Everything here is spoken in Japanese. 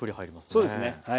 そうですねはい。